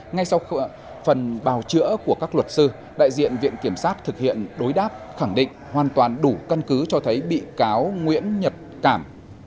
ngay sau phần bào chữa của các luật sư đại diện viện kiểm sát thực hiện đối đáp khẳng định hoàn toàn đủ căn cứ cho thấy bị cáo nguyễn nhật cảm